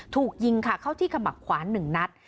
ถูกยิงเข้าที่ขมับขวานหนึ่งนัด